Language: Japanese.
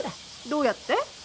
どうやって？